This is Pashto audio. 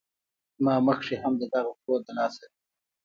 ما مخکښې هم د دغه خرو د لاسه